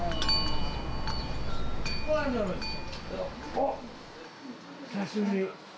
おっ久しぶり。